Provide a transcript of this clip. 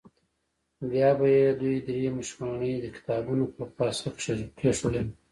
بیا به یې دوې درې مشواڼۍ د کتابونو پر پاسه کېښودلې.